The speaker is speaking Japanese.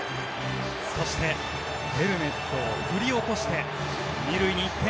そしてヘルメットを振り落として２塁に行って。